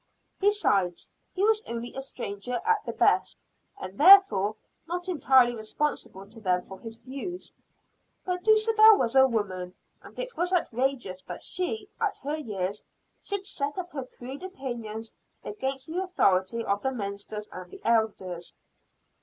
Besides, he was only a stranger at the best; and therefore, not entirely responsible to them for his views. But Dulcibel was a woman, and it was outrageous that she, at her years, should set up her crude opinions against the authority of the ministers and the elders.